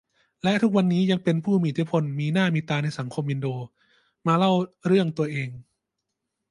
และทุกวันนี้ยังเป็นผู้มีอิทธิพลมีหน้ามีตาในสังคมอินโด มาเล่าเรื่องตัวเอง